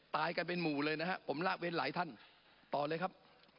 ตายกันเป็นหมู่เลยนะครับผมละเว้นหลายท่านต่อเลยครับ